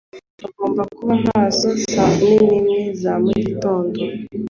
Bagomba kuba maso saa kumi nimwe za mugitondo.